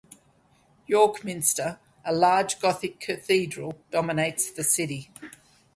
York Minster, a large Gothic cathedral, dominates the city.